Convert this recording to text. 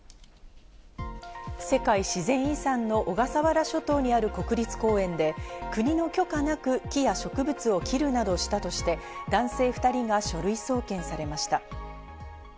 世界自然遺産の小笠原諸島にある国立公園で、国の許可なく木や植物を切るなどしたとして、男性２人が書類送検されました。